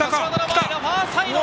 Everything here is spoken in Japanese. ファーサイド！